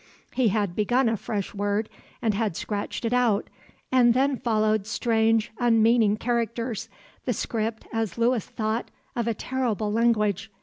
He had begun a fresh word and had scratched it out and then followed strange, unmeaning characters, the script, as Lewis thought, of a terrible language.